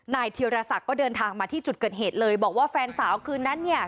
เทียรศักดิ์ก็เดินทางมาที่จุดเกิดเหตุเลยบอกว่าแฟนสาวคืนนั้นเนี่ย